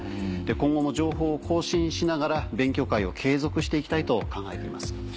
今後も情報を更新しながら勉強会を継続して行きたいと考えています。